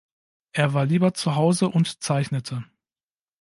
Er war lieber zu Hause und zeichnete.